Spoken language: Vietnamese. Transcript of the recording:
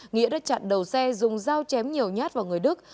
nghĩa đã chặn đầu xe dùng dao chém nhiều nhát vào người đức